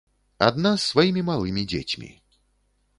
Адна з сваімі малымі дзецьмі.